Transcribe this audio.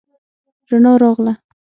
رڼا راغله.